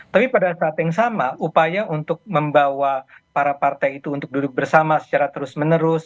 tapi pada saat yang sama upaya untuk membawa para partai itu untuk duduk bersama secara terus menerus